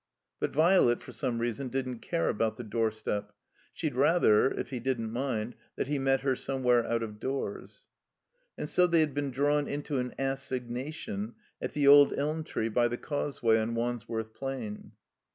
But Violet, for some reason, didn't care about the doorstep. She'd rather, if he didn't mind, that he met her somewhere out of doors. And so they had been drawn into an assignation at the old elm tree by the Causeway on Wandsworth Plain.